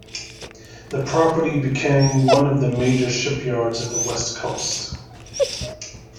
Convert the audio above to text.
The property became one of the major shipyards of the west coast.